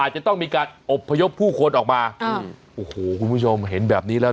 จะต้องมีการอบพยพผู้คนออกมาโอ้โหคุณผู้ชมเห็นแบบนี้แล้ว